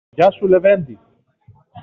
Γεια σου, λεβέντη!